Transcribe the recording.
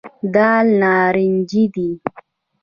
دال نارنجي دي.